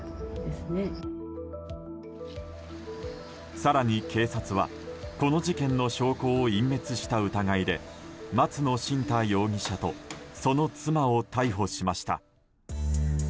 更に警察はこの事件の証拠を隠滅した疑いで松野新太容疑者とその妻を逮捕しました。